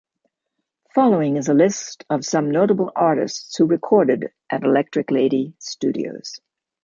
Following is a list of some notable artists who recorded at Electric Lady Studios.